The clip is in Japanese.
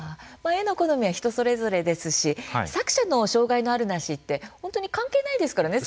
絵の好みは人それぞれですし作者の障害のあるなしって本当に関係ないですからね